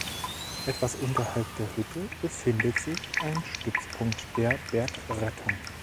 Etwas unterhalb der Hütte befindet sich ein Stützpunkt der Bergrettung.